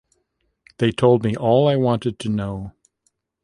They told me all I wanted to know.